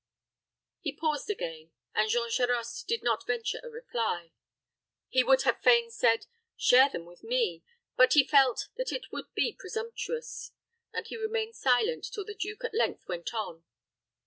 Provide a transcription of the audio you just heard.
He paused again, and Jean Charost did not venture a reply. He would have fain said, "Share them with me;" but he felt that it would be presumptuous, and he remained silent till the duke at length went on.